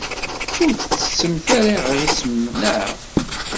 Ur tettessemt ara iɣisem, naɣ?